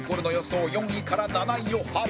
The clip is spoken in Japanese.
４位から７位を発表！